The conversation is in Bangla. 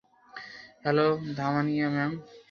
Hello, Dhamania ma'am.